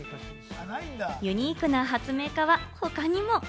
ユニークな発明家は他にも！